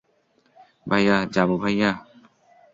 ভাইয়া, যাবো ভাইয়া?